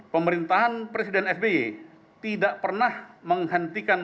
pemerintahan presiden sby tidak pernah menghentikan